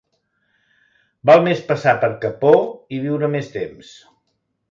Val més passar per capó i viure més temps.